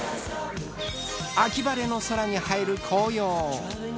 秋晴れの空に映える紅葉。